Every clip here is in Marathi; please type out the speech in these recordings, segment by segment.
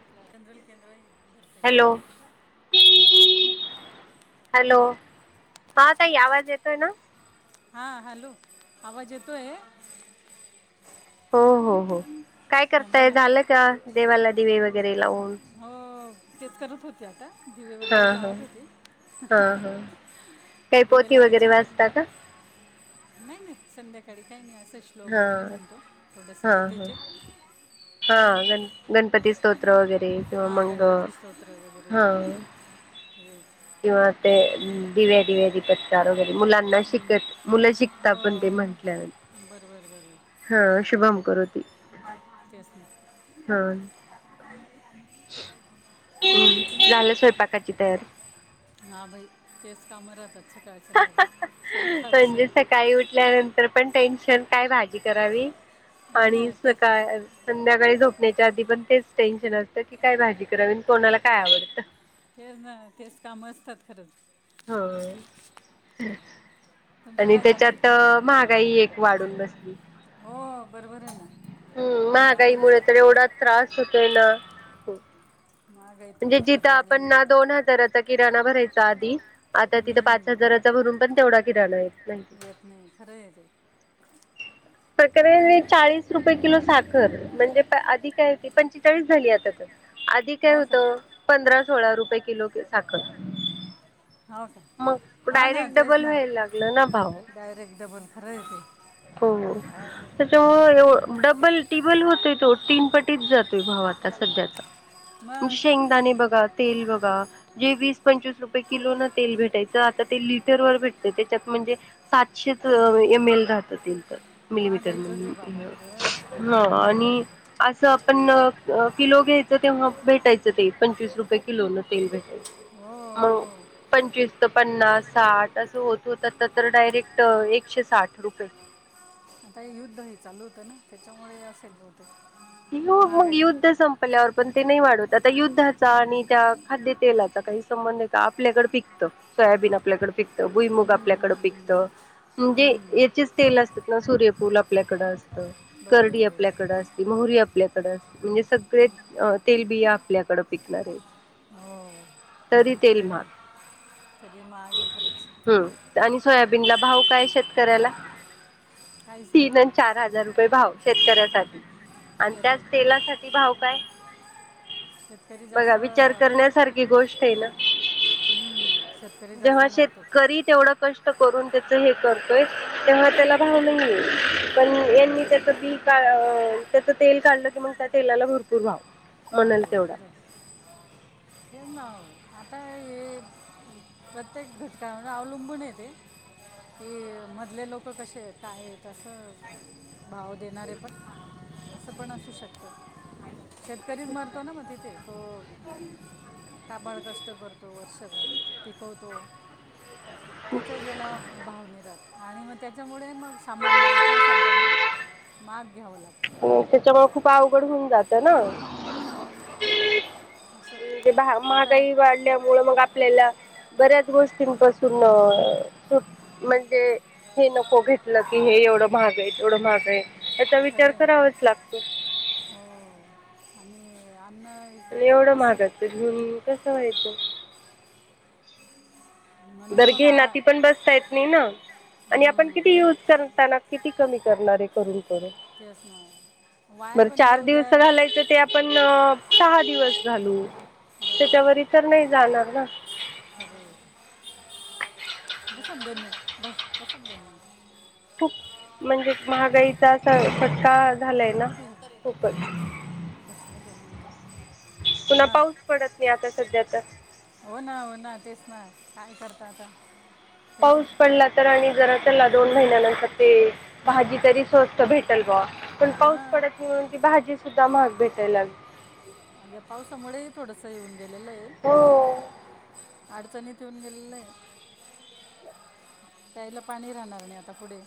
आपलं जनरल केंद्र आहे. भरता हॅलो. येते दोन मिनटं हॅलो हा ताई आवाज येतोय ना? हां हॅलो आवाज येतो आहे. हो हो हो काय हां करताय बोला झालं का देवाला दिवे वगैरे लावून? हो तेच करत होते. दिवे हा वगैरेच हा लावत होती. हा हा काही पोथी वगैरे वाजतात? नाही नाही संध्याकाळी काही नाही असं श्लोक हा वगैरे म्हणतो हा थोडंसं हा गीतेचे हा गण गणपती स्तोत्र वगैरे किंवा हा मंग गणपती स्तोत्र वगैरे हा ते येतो किंवा ते दिवे दिवे दि वगरे मुलांना शिकत मुलं हो शिकताात पण ते हो म्हटल्यान बरं बरं बरं बरं हा शुभम करोती तेच ना हा तुम्ही हम्म झालं स्वयंपाकाची तयारी कामरहात्छ काळचंद का म्हणजे सकाळी उठल्यानंतर पण टेन्शन काय भाजी करावी हा ना आणि तेच सकाळ संध्याकाळी झोप त्याच्या आधी पण तेच टेन्शन असतं की काय भाजी करावी आणि कोणाला काय आवडतं ते ना तेच काम असतात खरंच हो तुमचं आणि काय चालू त्याच्यात महागाई एक वाढून बसली आहे हो बरोबर आहे ना हम्म महागाईमुळे तर महागाईचं एवढा त्रास होतोय ना महागाई तर म्हणजे जिथं खूपच आपण वाढलेली ना आहे. दोन हजाराचा किराणा भरायचा आधी आता तिथं पाच हम्म, हजाराचा भरून पण तेवढा किराणा नाही येत नाही खरं आहे ते [unintelligible] प्रकारे चाळीस रुपये किलो साखर म्हणजे आधिक काय की पंचेचाळीस झाली आता आधी काय होत [inaudible] सोळा रुपये किलो साखर हो का मग हा ना डायरेक्ट तेच डबल ना व्हायला लागलं ना भाऊ डायरेक्ट डबल खरं आहे ते हो काय त्याच्यामुळ ए डबल टिबल होतोय तो तीन पटीच जातोय भाव आता सध्याचा म्हणजे मग शेंगदाणे बघा तेल बघा जे वीस पंचवीस रुपये किलो ना तेल भेटायचं आता ते लिटर वर भेटत त्याच्यात म्हणजे सातशेच एम एल राहत ते मिलीमीटर महागाईचंच आहे बाबा खरंच ह आणि असं पण किलो घ्यायचं तेव्हा भेटायचं तेल पंचवीस रुपये किलो न तेल भेट हो मग हो. पंचवीस तर पन्नास साठ असं होत होत तर तर डायरेक्ट एकशे साठ रुपये आता हे युद्ध ह चालू होतं ना त्याच्यामुळे असेच ये मग युद्ध संपलेवर पण ते नाही वाढत आता युद्धाचा आणि त्या खाद्यतेलाचा काही संबंध आहे का आपल्याकड पिकतं सोयाबीन आपल्याकडे पिकत भुईमुग आपल्याकडं हम्म, हम्म. पिकतं म्हणजे याचेच तेल असतात ना सूर्यफुल आपल्याकड असत बरोबर करडी आहे बरोबर आपल्याकडे आहे. अस मोरी आपल्याकडे अस म्हणजे सगळे तेलबिया आपल्याकड पिकणार आहेत हो तरी तेल महाग हो खरंच सोयाबीन ला भाव काय शेतकऱ्याला काहीच नाही तीन आणि चार हजार रुपये भाव शेतकऱ्यासाठी आणि खरं त्याच आहे खरं तेलासाठी आहे भाव काय शेतकरी जास्त बघा विचार करण्यासारखी गोष्ट आहे ना हम्म, शेतकरी जास्त जेव्हा मरतो शेतकरी तेवढं कष्ट करून हे करतोय तेव्हा त्याला भाव नाहीये पण खरं यांनी आहे त्याचं बी त्याच तेल काढलं की मग त्या तेलाला भरपूर भाव [inaudible] म्हणाल तेवढा आता हे प्रत्येक घटकावर अवलंबून येते की मधले लोक कसे येत आहेत अससं [inaudible] भाव देणारे पण असं पण असू शकतं शेतकरी मरतो ना मग तिथे तो काबाड कष्ट करतो वर्षभर टिकवतो. त्याच्या ज्याला भावने राहतो आणि मग त्याच्यामुळे मग सामान्य आपल्यासारख्यांना माग घ्यावं लागतं हो त्याच्यामुळ खूप अवघड होऊन जात ना हम्म, असं ते आता महागही वाढल्यामुळं मग आपल्याला परत गोष्टींपासून म्हणजे हे नको घेतल की हे एवढ महाग आहे तेवढ महागय आहे त्याचा विचार खरं आहे करावाच लागतो हो [inaudible] आणि एवढ असं महागाचं घेऊन कस व्हायचं. म्हणून बर मग घेना आ- ती पण बसता येत नाही ना आणि आपण हं, किती युज करताना किती कमी करणारे करून करून तेच ना वाया बर पण चार जाऊ द्या दिवस घालायचं ते आपण सहा किती दिवस घालू बरोबर त्याच्यावरी बरोबर तर नाही जाणार ना बसात दोन मिनट बस बसात दोन मिनट खूप म्हणजे महागाईचा असा फटका झालाय ना कुठे खुपच [unintelligible] पुन्हा हां पाऊस पडत नाही आता सध्या तर बरं काय करता आता पाऊस तेच पडला तर आणि [inaudible] चला दोन महिन्यानंतर ते भाजी तरी स्वस्त भेटेल ग पण पाऊस मग पडत नाही म्हणून ती भाजी सुद्धा महाग भेटायला लागली या पावसामुळे थोडस येऊन गेलेल आहे सगळ हो अडचणीत पिऊन गेलेला आणि प्यायला पाणी राहणार नाही आता पुढे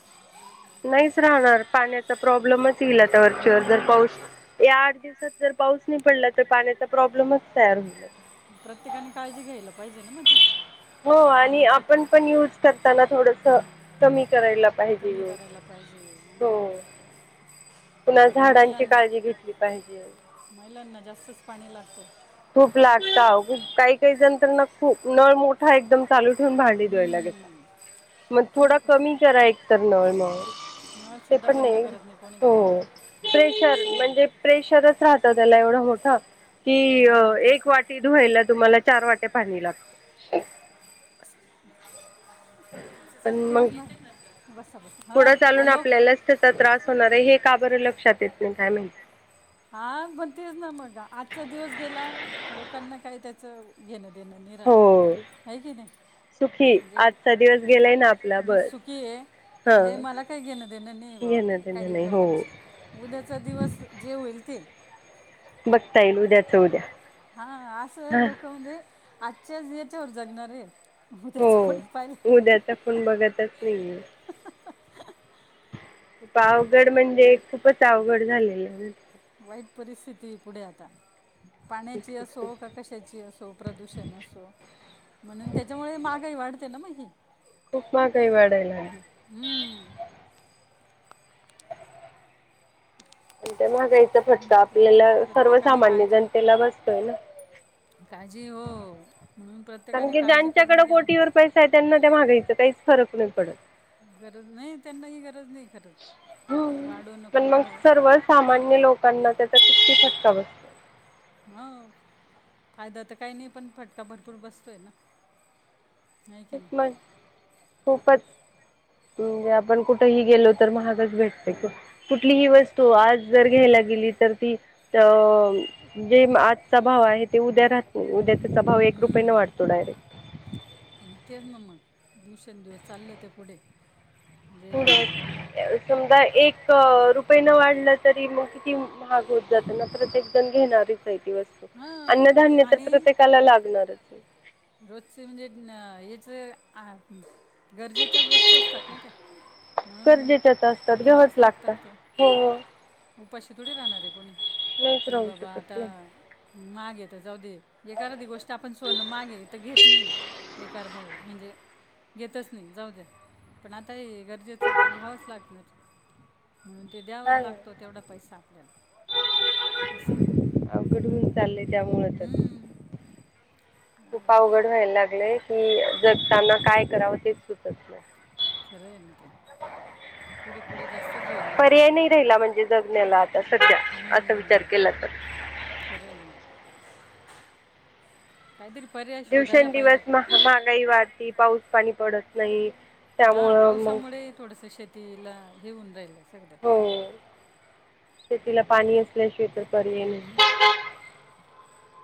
नाहीच राहणार पाण्याचा प्रॉब्लेमच येईल आता वरचीवर जर पाऊस या आठ दिस जर पाऊस नाही पडला तर पाण्याचा प्रॉब्लेमच तयार होल प्रत्येकानी काळजी घ्यायला पाहिजे ना मग ती हो आणि पाण्याची आपण पण युज करताना थोडस कमी करायला पाहिजे कमी य करायला पाहिजे हो आणि पुन्हा झाडांची महिलांना काळजी घेतली पाहिजे. महिलांना जास्तच पाणी लागतय खूप लागत खूप काही काही जण तर ना खूप नळ मोठा एकदम चालू ठेवून भांडी धुवायला घेता हम्म. मग कोणी थोडा को- कमी करा एक तर नळ मगं नळ सुद्धा बंद करत नाही. कोणी हो कोणी प्रेशर असं होऊन म्हणजे जातं प्रेशरच राहत त्याला एवढ त्याला मोठ की क हो ना तेच एक वाटी ना धुवायला तुम्हाला चार वाट्या पाणी लागत ते बस पुढ चालून आपल्यालाच त्याचा त्रास होणार आहे हे का बर लक्षात येत नाहीं काय म्हयती हा पण तेच ना मग आजचा दिवस गेला लोकांना काही त्याच घेण आणि देण हो हइ की नय सुखी आजचा दिवस गेलाय ना आपला मी बस सुखी आहे हा म्हणजे मला काही घेण देण नाही बाबा घेण देणं काही नाही हो लोकांशी उद्याचा दिवस जे होईल ते बघता येईल म्हणजे उद्याच उद्या हा असं हा लोक म्हणजे आजच्या याच्यावर जगणार आहे हो उद्याचं कोणी पाहिलं उद्याचा नाही कोण बघतच नाही आवगड म्हणजे वाईट खूपच अवघड झालेलं आहे वाईट परिस्थिती पुढे आता. पाण्याची असो का कशाची असो प्रदूषण असो. म्हणून त्याच्यामुळे महागाही वाढते ना मग ही. खूप महागही वाढायला लागली. हम्म, माहागाईचा फटका आपल्याला प्रत्येकाने सर्वसामान्य काळजी जनतेला बसतोय ना. काजी हो म्हणून कारण प्रत्येकाने की काळजी करून ज्यांच्याकडे केलं कोटीवर पैसा आहे त्यांना त्या मागायचं काहीच फरक नाही पडत. गरज नाही त्यांना ही गरज नाही. खरंच हम्म वाढो नको पण मग वाढो सर्व सामान्य लोकांना त्याचा कीती फटका बस हो फायदा तर काही नाई पण फटका भरपूर बसतोय ना. हाय की नाय. मग खूपच म्हणजे आपण कुठही गेलो तर महागच भेटत कुठलीही वस्तू आज जर घेयला गेली तर ती त जे आजचा भाव आहे ते उद्या राह उद्या त्याचा भाव एक रुपये न हम्म. वाढतो डायरेक्ट मग तेच ना मग दिवसेंदिवस चाललं ते पुढे म्हणजे समजा एक अं रुपये न वाढलं तरी मग किती महाग होत जात ना प्रत्येक जण घेणारे हाय ती वस्तू हां ते अन्नधान्य तर आणि प्रत्येकाला लागणारच ये. रोजचे म्हणजे हेच आ गरजेच्याच वस्तू असतात ना त्या गरजेच्याच असतात म्हणून घ्यावंच लागतात त्या हो हो उपाशी थोडी राहणार ये कोणी नाहीच नाय राहू बाबा आता शकत ना महाग येत जाऊ दे ए अर्धी गोष्ट आपण सोन महागे तर घेत नाही ए अर्ध्या म्हणजे घेतच नाही जाऊ द्या पण आता हे गरजेचं तर घ्यावंच लागणार. म्हणून ते द्यावं हा ना लागतं तेवढा पैसा असं चालले त्यामुळ तर हम्म, खूप अवघड व्हायला लागलेय. की जगताना काय करावं तेच सुतत नाही. [unintelligible] पुढे पुढे जास्तच होईल अजून पर्याय नाही राहिला म्हणजे जगण्याला आता सध्या असा विचार हम्म, केला हा खरं आहे ना कायतरी. दिवसेंदिवस महा महागाई वाढती पाऊस पाणी पडत नाही. हा त्यामुळं मग पावसामुळे थोडस शेतीला घेऊन राहिल सगळं. हो शेतीला पाणी असल्याशिवाय तर पर्याय नाही.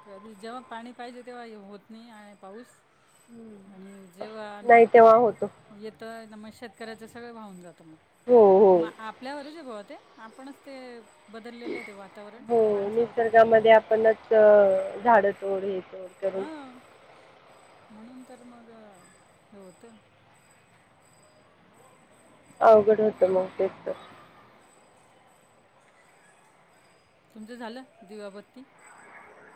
कधी, जेव्हा पाणी पाहिजे तेव्हा होत नाही आणि पाऊस आणि जेव्हा नाही तेव्हा होतो येतय ना मग शेतकऱ्याचे सगळ वाहून जात. हो हो मग आपल्यावरच गते आपणच ते बदललेलं आहे ते वातावरण हो माणसावर निसर्गामध्ये आपणच झाड तोड हां [unintelligible] म्हणून तर मग हे होतं. अवघड होतं मग तेच तर. तुमचं झालं दिवाबत्ती?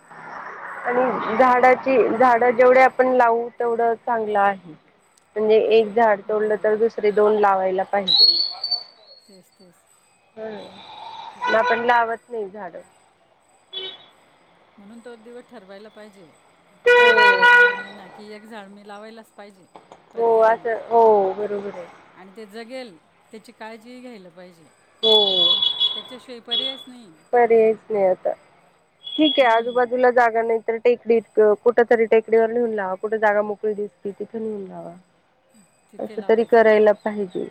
ह आणि झाडाची झाडं जेवढे आपण लावू तेवढं चांगलं आहे. म्हणजे एक झाड तोडलं तर हो दुसरे दोन लावायला पाहिजे. तेच तेच हम खरं म आहे आपण ते लावत नाही झाडं. म्हणून तो दिवस ठरवायला पाहिजे आता जून, झाडं जुलै महिना कि एक झाड मि लावायलाच पाहिजे. हो प्रत्येकाने असं हो बरोबर आहे. आणि ते जगेल त्याची काळजी घ्यायला पाहिजे. हो त्यांच्या शिवाय पर्याय पर्यायच नाही आता ठीक आहे, हम्म, आजूबाजूला जागा नाही तर टेकडी कुठ तरी टेकडीवर लिहून लावा कुठे जागा मोकळी दिसती तिथं लिहून लावा. तिते असं तरी लावायचं करायला पाहिजे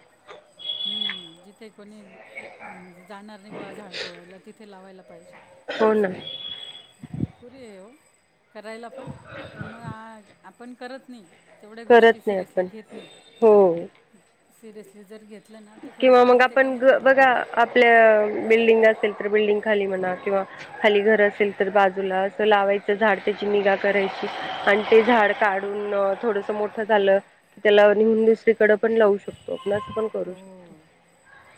हम्म. कोणी म्हणजे जाणार नाही बुवा झाड तोडयला तिथे लावायला पाहिजे. हो असं ना भिरपुरी आहे करायला पण पण मग आपण करत नाही तेवढ्या गोष्टी करत नाही सिरयस आपण घेत नाही हो सिरियसली जर घेत किंवा मग आपण बघा आपल्या बिल्डिंग असेल बिल्डिंग खाली म्हणा किंवा खाली घर असेल तर बाजूला असं लावायचं झाड त्याची निगा करायची आणि ते झाड काढून थोडस मोठं झालं की त्याला नेहून दुसरीकडे पण लावू शकतो. ण करू हो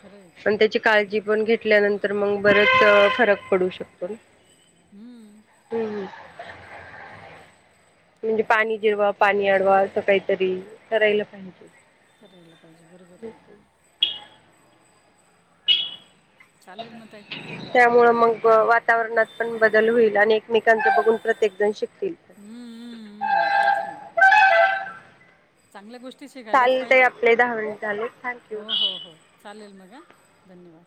खरं आहे ते त्याची पण काळजी पण घेतल्यानंतर पण बरच फरक पडू शकतो. हम्म हम्म म्हणजे पाणी जिरवा पाणी अडवा स काहीतरी करायला पाहिजे. [unintelligible] चालेल म ताई. त्यामुळे मग वातावरणात पण बदल होईल आणि एकमेकांच बघून प्रत्येक जण शिक हम्म हम्म हम्म तेच नाही चांगल्या गोष्टी चालेल ताई पाहिजे आपले दहा मिनिट झाले थँक यू. हो हो हो चालेल मग धन्यवाद!